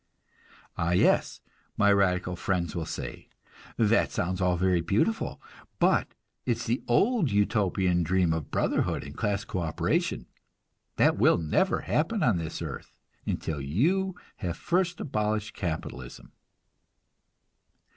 "Ah, yes," my young radical friends will say, "that sounds all very beautiful, but it's the old Utopian dream of brotherhood and class co operation. That will never happen on this earth, until you have first abolished capitalism."